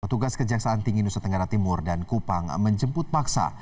petugas kejaksaan tinggi nusa tenggara timur dan kupang menjemput paksa